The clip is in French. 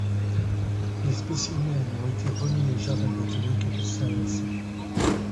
Les spécimens ont été remis au jardin botanique de Saint-Vincent.